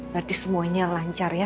berarti semuanya lancar ya